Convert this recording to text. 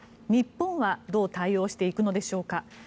日本はどう対応していくのでしょうか。